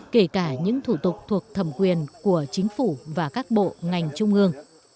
kể cả những thủ tục thuộc thẩm quyền của chính phủ và các bộ ngành trung ương